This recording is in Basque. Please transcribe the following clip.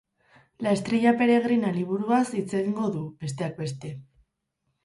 La estrella peregrina liburuaz hitz egingo du, besteak beste.